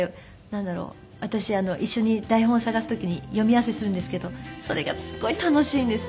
私一緒に台本を探す時に読み合わせするんですけどそれがすごい楽しいんです。